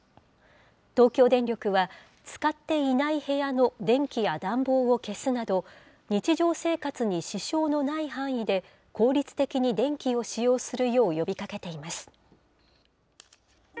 東京電力は、使っていない部屋の電気や暖房を消すなど、日常生活に支障のない範囲で、効率的に電気を使用するよう呼びかけています。